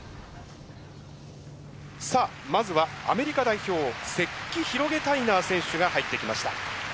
さあまずはアメリカ代表セッキ・ヒロゲタイナー選手が入ってきました。